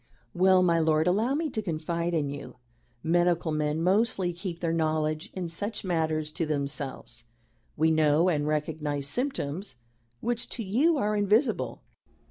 "Well, my lord, allow me to confide in you. Medical men mostly keep their knowledge in such matters to themselves. We know and recognise symptoms which to you are invisible.